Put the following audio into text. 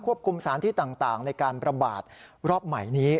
คุมสารที่ต่างในการประบาดรอบใหม่นี้